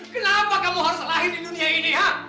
kenapa kamu harus lahir di dunia ini ya